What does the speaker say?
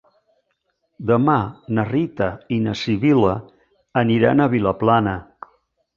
Demà na Rita i na Sibil·la aniran a Vilaplana.